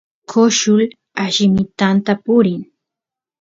coshul allimitanta purin